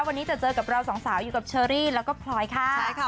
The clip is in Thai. วันนี้จะเจอกับเราสองสาวอยู่กับเชอรี่แล้วก็พลอยค่ะใช่ค่ะ